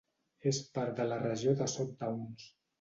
És part de la regió de Southtowns.